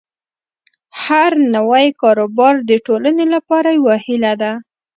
هر نوی کاروبار د ټولنې لپاره یوه هیله ده.